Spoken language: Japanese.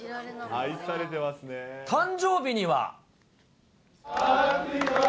誕生日には。